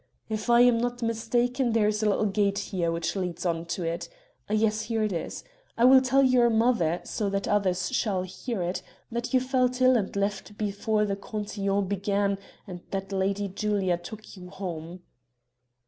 If I am not mistaken there is a little gate here which leads on to it... Yes, here it is. I will tell your mother, so that others shall hear it, that you felt ill and left before the cotillon began and that Lady Julia took you home."